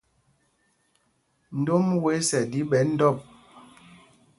Ndom wes ɛ ɗi ɓɛ ndɔ̂p.